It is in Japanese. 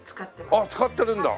あっ使ってるんだ。